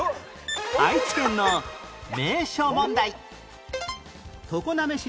愛知県の名所問題